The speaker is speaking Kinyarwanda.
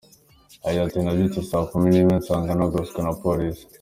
Yagize ati “Nabyutse saa kumi n’imwe nsanga nagoswe na polisi.